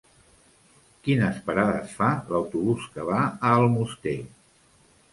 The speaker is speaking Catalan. Quines parades fa l'autobús que va a Almoster?